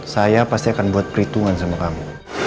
saya pasti akan buat perhitungan sama kamu